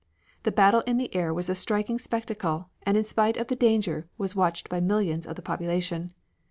The battle in the air was a striking spectacle and in spite of the danger was watched by millions of the population.